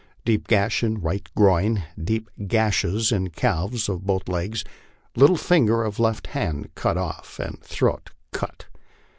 deep gash in right groin, deep gashes in calves of both legs, little finger of left hand cut off, and throat cut.